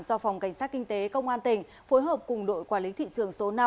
do phòng cảnh sát kinh tế công an tỉnh phối hợp cùng đội quản lý thị trường số năm